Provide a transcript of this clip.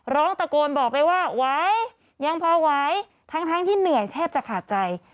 ร้องตะโกนบอกไปว่าไหวยังพอไหวทั้งที่เหนื่อยแทบจะขาดใจ